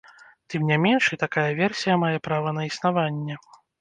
Тым не менш, і такая версія мае права на існаванне.